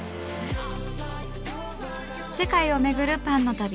世界をめぐるパンの旅。